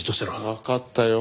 わかったよ。